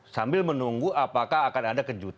sambil menunggu apakah akan ada kejutan